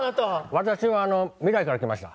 私は未来から来ました。